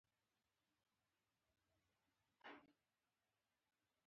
افغانستان تر هغو نه ابادیږي، ترڅو دین په افراطیت تعبیر نشي.